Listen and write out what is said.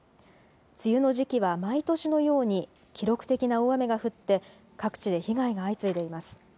梅雨の時期は毎年のように記録的な大雨が降って、各地で被害が相次いでいます。